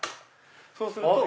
そうすると。